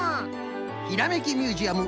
「ひらめきミュージアム」